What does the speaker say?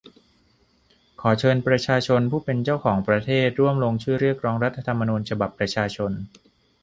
ขอเชิญประชาชนผู้เป็นเจ้าของประเทศร่วมลงชื่อเรียกร้อง รัฐธรรมนูญฉบับประชาชน